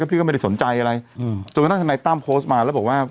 พี่ก็ไม่ได้สนใจอะไรจนกระทั่งทนายตั้มโพสต์มาแล้วบอกว่า